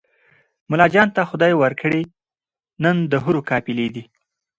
ملاجان ته خدای ورکړي نن د حورو قافلې دي